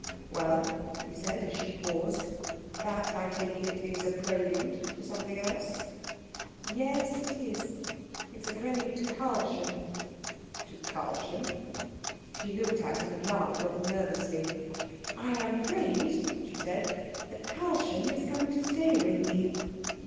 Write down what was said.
"Well?" he said, as she paused. "That, I take it, is a prelude to something else." "Yes, it is. It's a prelude to Karlchen." "To Karlchen?" She looked at him, and laughed rather nervously. "I am afraid," she said, "that Karlchen is coming to stay with me."